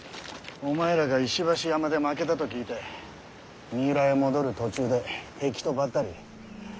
お前らが石橋山で負けたと聞いて三浦へ戻る途中で敵とばったり。